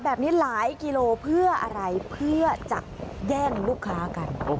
แบบนี้หลายกิโลเพื่ออะไรเพื่อจะแย่งลูกค้ากัน